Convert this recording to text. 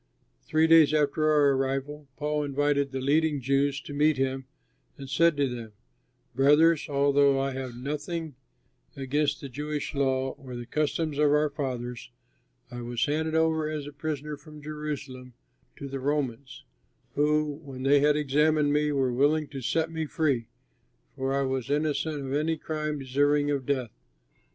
Three days after our arrival, Paul invited the leading Jews to meet him and said to them, "Brothers, although I have done nothing against the Jewish law or the customs of our fathers, I was handed over as a prisoner from Jerusalem to the Romans, who, when they had examined me, were willing to set me free, for I was innocent of any crime deserving of death.